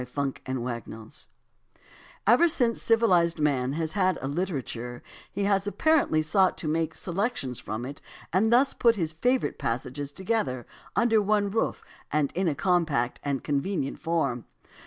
AS TO ANTHOLOGIES 1 Ever since civilized man has had a literature he has apparently sought to make selections from it and thus put his favorite passages together under one roof in a compact and convenient form.